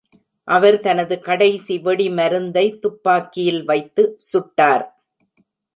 அவர் தனது கடைசி வெடி மருந்தை துப்பாக்கியில் வைத்து சுட்டார்.